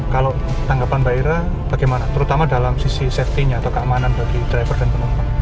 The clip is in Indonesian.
kalau tanggapan mbak ira bagaimana terutama dalam sisi safety nya atau keamanan bagi driver dan penumpang